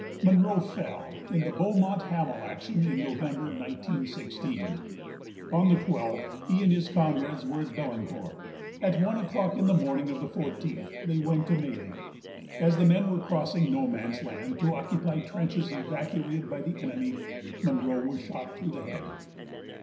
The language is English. Munro fell in the Beaumont Hamel action in November 1916. On the 12th he and his comrades were at Beldancourt. At one o'clock in the morning of the 14th they went to Mailly. As the men were crossing No Man's Land to occupy trenches evacuated p. xxivby the enemy, Munro was shot through the head.